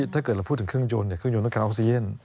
ถ้าเกิดเราพูดถึงเครื่องยนต์เครื่องยนต้องการออกซีเย็น